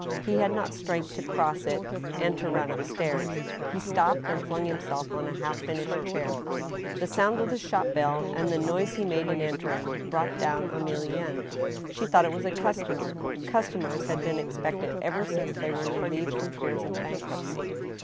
He had not strength to cross it and to run up sUirs. He stopped and flung himself on a half finished chair. The sound of the shop bell, and the noise he made in entering, , brought down Emilienne. She thought it was a customer. Customers had been expected ever since they were relieved from fears of bankruptcy.